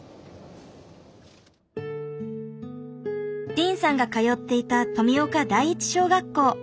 凜さんが通っていた富岡第一小学校。